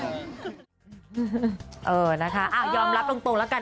ว่านิ้วซูมจนแยะอันนี้เหมือนกัน